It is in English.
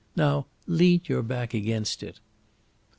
Now lean your back against it."